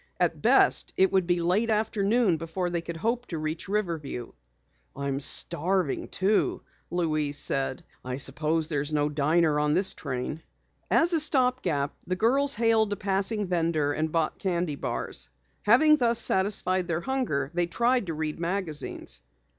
At best it would be late afternoon before they could hope to reach Riverview. "I'm starving too," Louise said. "I suppose there's no diner on this train." As a stop gap the girls hailed a passing vendor and bought candy bars. Having thus satisfied their hunger, they tried to read magazines.